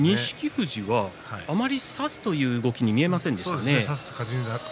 富士はあまり差すという動きには見えませんでしたね。